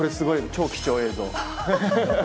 超貴重映像。